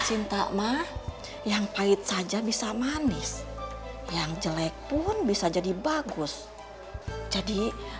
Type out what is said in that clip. cinta mah yang pahit saja bisa manis yang jelek pun bisa jadi bagus jadi